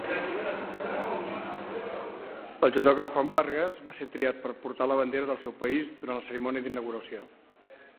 El judoka Juan Vargas va ser triat per portar la bandera del seu país durant la cerimònia d'inauguració.